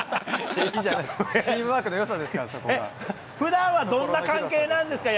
チームワークのよさですから、ふだんはどんな関係なんですか？